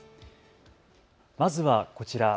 まずはこちら。